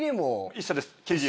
一緒です。